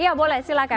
iya boleh silahkan